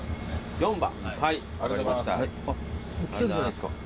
４番？